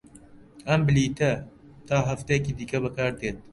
ئەم بلیتە تا هەفتەیەکی دیکە بەکاردێت.